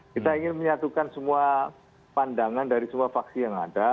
kita ingin menyatukan semua pandangan dari semua faksi yang ada